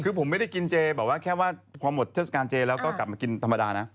คือผมไม่ได้กินเจแบบว่าแค่ว่าพอหมดเทศกาลเจแล้วก็กลับมากินธรรมดานะ